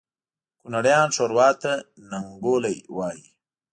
کونړیان ښوروا ته ننګولی وایي